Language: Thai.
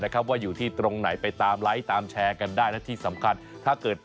บอกว่าคุณชะนาใจร้ายมาก